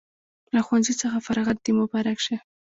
له ښوونځي څخه فراغت د مبارک شه